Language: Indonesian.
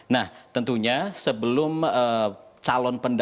nah tentunya sebelum calon penduduk